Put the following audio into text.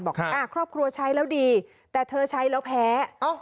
ครอบครัวใช้แล้วดีแต่เธอใช้แล้วแพ้